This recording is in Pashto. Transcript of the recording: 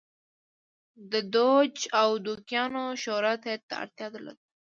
د دوج او دوکیانو شورا تایید ته اړتیا درلوده.